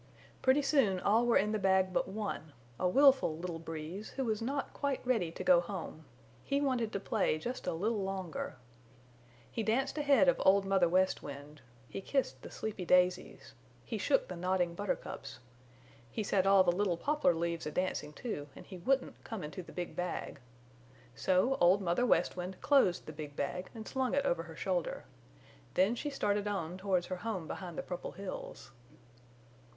Pretty soon all were in the bag but one, a willful little Breeze, who was not quite ready to go home; he wanted to play just a little longer. He danced ahead of Old Mother West Wind. He kissed the sleepy daisies. He shook the nodding buttercups. He set all the little poplar leaves a dancing, too, and he wouldn't come into the big bag. So Old Mother West Wind closed the big bag and slung it over her shoulder. Then she started on towards her home behind the Purple Hills.